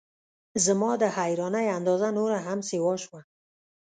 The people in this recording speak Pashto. زما د حیرانۍ اندازه نوره هم سیوا شوه.